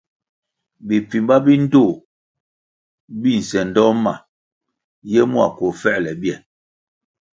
Bipfimba bi ndtoh bi nsendoh ma ye mua koh fuerle bie.